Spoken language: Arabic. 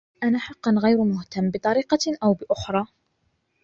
أنا حقاً غير مهتم بطريقة أو بأخرى.